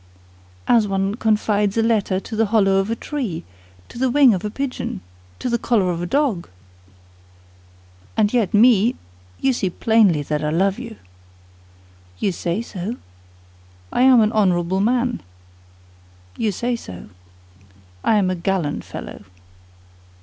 "As one confides a letter to the hollow of a tree, to the wing of a pigeon, to the collar of a dog." "And yet, me—you see plainly that I love you." "You say so." "I am an honorable man." "You say so." "I am a gallant fellow."